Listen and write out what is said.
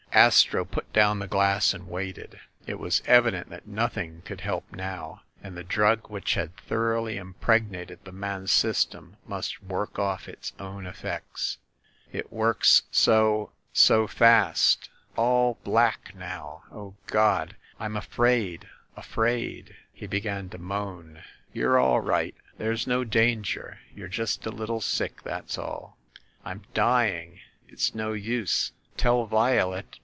Astro put down the glass and waited. It was evi dent that nothing could help now, and the drug which had thoroughly impregnated the man's system must work off its own effects. "It works so ‚ÄĒ so fast ... All black now ... Oh, God! ... I'm afraid! ... Afraid ..." He began to moan. "You're all right; there's no danger. You're just a little sick, that's all." "I'm dying! It's no use ... Tell Violet